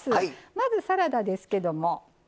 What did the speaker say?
まずサラダですけども。